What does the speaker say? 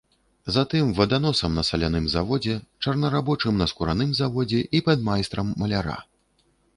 Затым ваданосам на саляным заводзе, чорнарабочым на скураным заводзе і падмайстрам маляра.